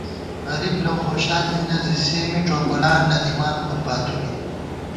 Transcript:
غریب لَؤ خوشال تھنہ زی سےمی ڄوکولان نہ دِمان کھُر پاتُو بی